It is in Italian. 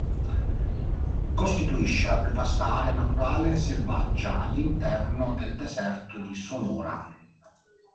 Costituisce la più vasta area naturale selvaggia all'interno del deserto di Sonora.